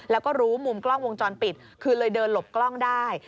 แล้วก็รู้มุมกล้องวงจรปิดคือเลยเดินหลบกล้องได้